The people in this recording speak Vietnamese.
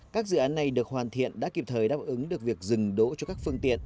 các dự án này được hoàn thiện đã kịp thời đáp ứng được việc dừng đỗ cho các phương tiện